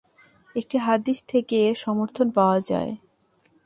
একটি হাদীস থেকে এর সমর্থন পাওয়া যায়।